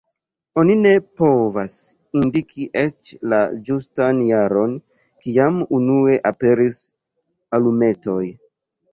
Oni ne povas indiki eĉ la ĝustan jaron, kiam unue aperis alumetoj.